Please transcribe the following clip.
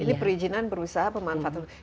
ini perizinan berusaha pemanfaatan